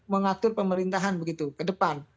mengatur pemerintahan begitu ke depan